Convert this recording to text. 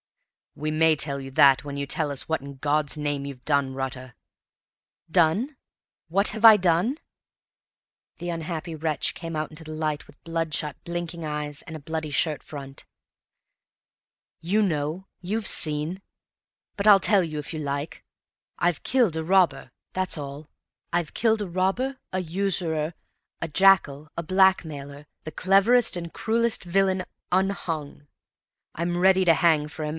"We may tell you that, when you tell us what in God's name you've done, Rutter!" "Done? What have I done?" The unhappy wretch came out into the light with bloodshot, blinking eyes, and a bloody shirt front. "You know you've seen but I'll tell you if you like. I've killed a robber; that's all. I've killed a robber, a usurer, a jackal, a blackmailer, the cleverest and the cruellest villain unhung. I'm ready to hang for him.